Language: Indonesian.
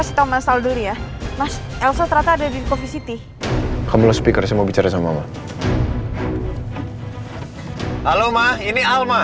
silahkan anak anak ke tempat yang lebih aman